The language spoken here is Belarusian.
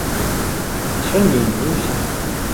Сёння і не мыўся.